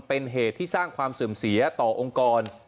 เป็นเหตุที่สร้างความเสื่อมเสียต่อองค์กร